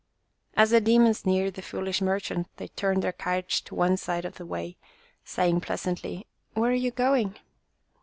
As the demons neared the foolish merchant they turned their carriage to one side of the way, saying pleasantly, " Where are you going?"